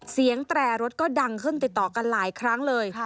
แตรรถก็ดังขึ้นติดต่อกันหลายครั้งเลย